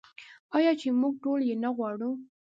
آیا چې موږ ټول یې نه غواړو؟